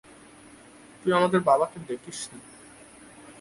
তুই আমাদের বাবাকে দেখিসনি।